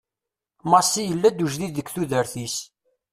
Massi yella-d ujdid deg tudert-is.